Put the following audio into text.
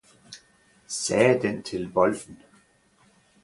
sagde den til bolden.